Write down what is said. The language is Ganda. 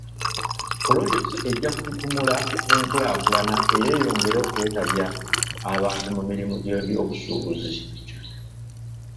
Pulojekiti ejja kututumula enkulaakulana era eyongere okwetabya abantu mu mirimu gy'obusuubuzi.